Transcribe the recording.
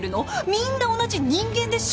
みんな同じ人間でしょ！？